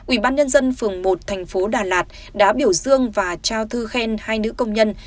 ubnd phường một thành phố đà lạt đã biểu dương và trao thư khen hai nữ công nhân